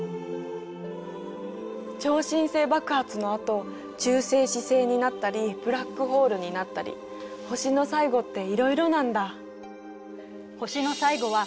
超新星爆発のあと中性子星になったりブラックホールになったり星の最後っていろいろなんだ。